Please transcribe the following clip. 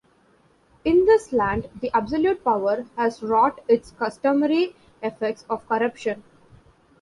In this land the absolute power has wrought its customary effects of corruption.